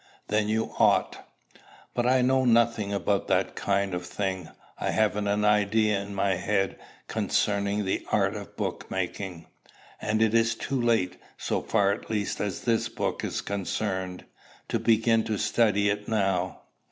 "Then you ought." "But I know nothing about that kind of thing. I haven't an idea in my head concerning the art of book making. And it is too late, so far at least as this book is concerned, to begin to study it now."